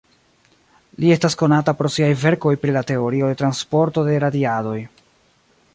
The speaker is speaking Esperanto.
Li estas konata pro siaj verkoj pri la teorio de transporto de radiadoj.